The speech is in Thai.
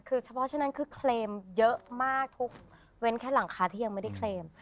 คือเฉพาะฉะนั้นคือเคลมเยอะมากทุกเว้นแค่หลังคาที่ยังไม่ได้เคลม